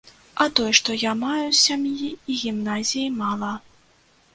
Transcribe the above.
А той, што я маю з сям'і і гімназіі, мала.